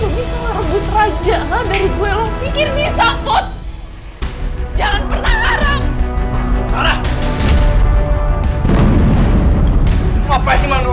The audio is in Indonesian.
gak ada yang mengharapkan bayi itu